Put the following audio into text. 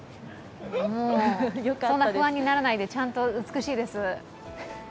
そんな不安にならないで、美しいです。